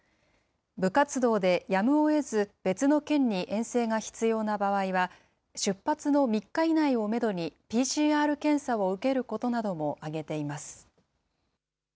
部活動でやむをえず別の県に遠征が必要な場合は、出発の３日以内をメドにＰＣＲ検査を受けることなども挙げています。